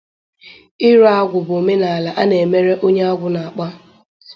Ịrụ agwụ bụ omenala a na-emere onye agwụ na-akpa